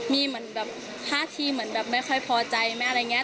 มีห้าที่แบบไม่ค่อยพอใจอะไรอย่างเนี่ย